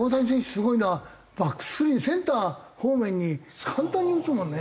すごいのはバックスクリーンセンター方面に簡単に打つもんね。